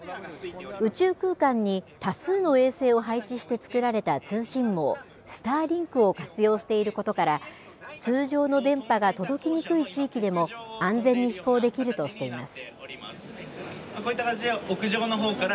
宇宙空間に多数の衛星を配置して作られた通信網、スターリンクを活用していることから、通常の電波が届きにくい地域でも安全に飛行できるとしています。